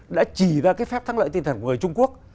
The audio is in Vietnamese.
đã chỉ ra cái phép thắng lợi tinh thần của người trung quốc